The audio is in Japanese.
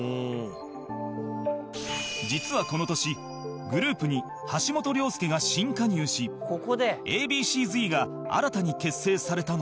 実はこの年グループに橋本良亮が新加入し Ａ．Ｂ．Ｃ−Ｚ が新たに結成されたのだが